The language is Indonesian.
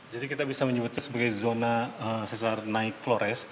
jadi kita bisa menyebutnya sebagai zona sesar naik flores